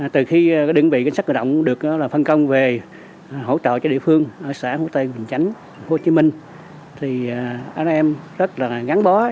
từ khi đơn vị cảnh sát cơ động được phân công về hỗ trợ cho địa phương ở xã hồ tây bình chánh hồ chí minh thì anh em rất là ngắn bó